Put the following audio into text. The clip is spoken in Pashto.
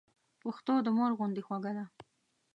پښتو د مور غوندي خوږه ده.